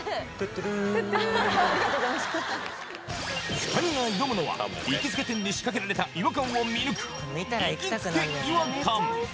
２人が挑むのは行きつけ店に仕掛けられた違和感を見抜く行きつけ違和感